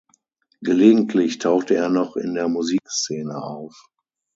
Gelegentlich tauchte er noch in der Musikszene auf.